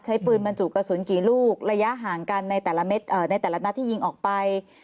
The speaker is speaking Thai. ใช้ปืนบรรจุกระสุนกี่ลูกระยะห่างกันในแต่ละนัดที่ยิงออกไป